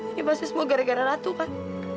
ini pasti semua gara gara ratu kan